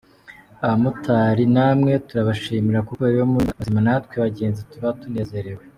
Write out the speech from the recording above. Abamotari namwe turabashimira kuko iyo muri bazima natwe abagenzi tuba tunezerewe.